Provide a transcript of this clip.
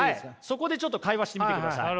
そこでちょっと会話してみてください。